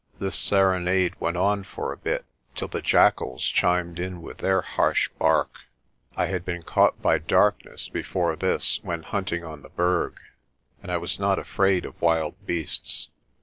This serenade went on for a bit till the jackals chimed in with their harsh bark. I had been caught by darkness before this when hunting on the Berg, and I was not afraid of wild beasts.